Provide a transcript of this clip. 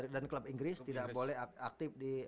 dan klub inggris tidak boleh aktif di